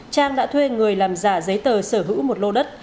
trang đã thuê người làm giả giấy tờ sở hữu một lô đất